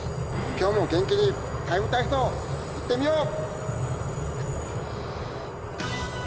今日も元気に「ＴＩＭＥ，」体操いってみよう。